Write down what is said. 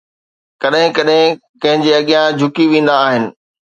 ڪڏهن ڪڏهن ڪنهن جي اڳيان جهڪي ويندا آهن